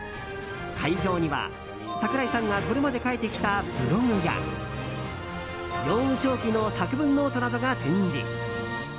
会場には、櫻井さんがこれまで書いてきたブログや幼少期の作文ノートなどが展示。